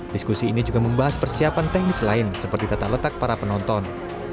diskusi ini juga membahas persiapan teknis lain seperti tata letak para penonton